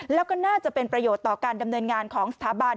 แล้วก็น่าจะเป็นประโยชน์ต่อการดำเนินงานของสถาบัน